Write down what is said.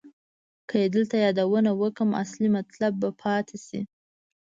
که یې دلته یادونه وکړم اصلي مطلب به پاتې شي.